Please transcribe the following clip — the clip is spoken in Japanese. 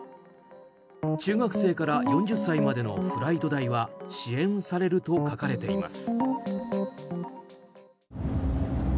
中学生から４０歳までのフライト代は支援されると書かれています。